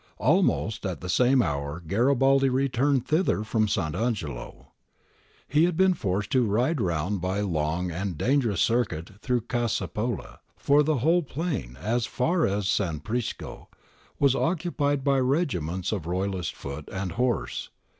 Almost at the same hour Garibaldi returned thither from Sant' Angelo. He had been forced to ride round by a long and dangerous circuit through Casapulla, for the whole plain, as far as San Prisco, was occupied by regiments of Royalist foot and horse.